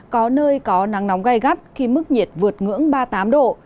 có nơi có nắng nóng gai gắt khi mức nhiệt vượt ngưỡng ba mươi tám độ